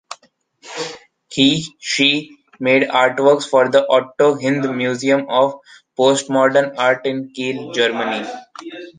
He/she made artworks for the Otto Hind museum of postmodern art in Kiel, Germany.